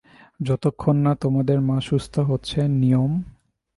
যতক্ষণ না তোমাদের মা সুস্থ হচ্ছে নিয়ম?